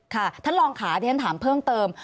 ค่ะท่านรองขาที่ท่านถามเพิ่มเติม